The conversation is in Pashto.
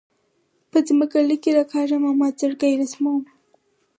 په ځمکه لیکې راکاږم او مات زړګۍ رسموم